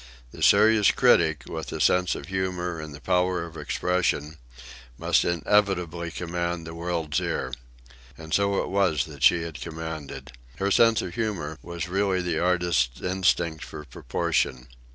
The serious critic, with the sense of humour and the power of expression, must inevitably command the world's ear. And so it was that she had commanded. Her sense of humour was really the artist's instinct for proportion.